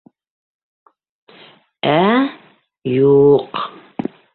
Ә — юҡ.